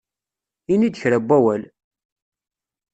Ini-d kra n wawal!